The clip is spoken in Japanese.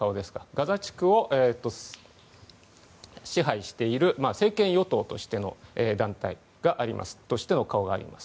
ガザ地区を支配している政権与党としての顔があります。